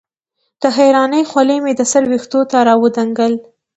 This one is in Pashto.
د حېرانۍ خولې مې د سر وېښتو نه راودنګل